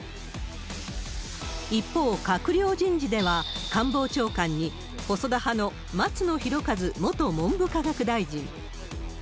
一方、閣僚人事では官房長官に、細田派の松野博一元文部科学大臣。